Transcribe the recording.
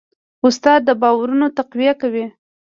استاد د باورونو تقویه کوي.